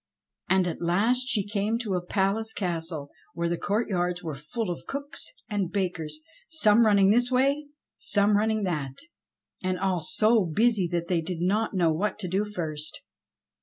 And at last she came to a palace castle where the courtyards were full of cooks and bakers, some running this way, some running that, and all so busy that they did not know what to do first.